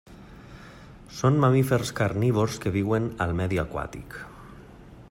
Són mamífers carnívors que viuen al medi aquàtic.